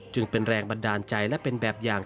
จึงเป็นแรงบันดาลใจและเป็นแบบอย่าง